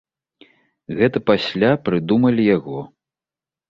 Гэта пасля прыдумалі яго.